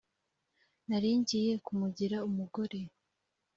nari ngiye kumugira umugore.